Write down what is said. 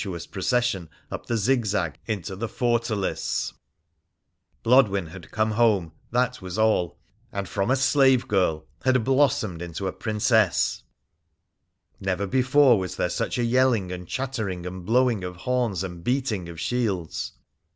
fortalice. 12 WONDERFUL ADVENTURES OF Blodwen had come home — that was all ; and from a slave girl had blossomed into a Princess ! Never before was there such a yelling and chattering and blowing of horns and beating of shields.